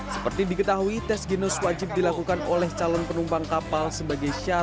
seperti diketahui tes ginus wajib dilakukan oleh calon penumpang kapal laut di pelabuhan tanjung priok jakarta utara